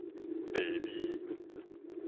地味